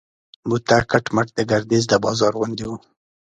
موته کټ مټ د ګردیز د بازار غوندې و.